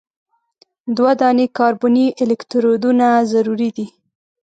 دوه دانې کاربني الکترودونه ضروري دي.